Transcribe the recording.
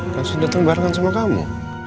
kan sudah dateng barengan sama kamu